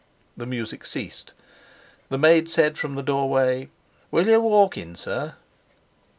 The music ceased; the maid said from the doorway: "Will you walk in, sir?"